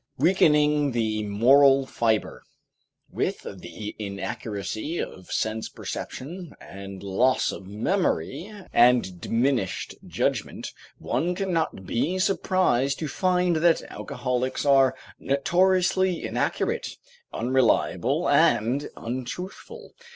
WEAKENING THE MORAL FIBER With the inaccuracy of sense perception and loss of memory and diminished judgment, one cannot be surprised to find that alcoholics are notoriously inaccurate, unreliable and untruthful.